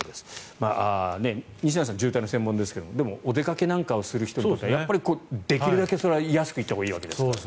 西成さん、渋滞の専門ですがでもお出かけなんかをする人はできるだけそれは安く行ったほうがいいわけですよね。